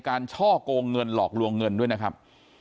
ช่อกงเงินหลอกลวงเงินด้วยนะครับ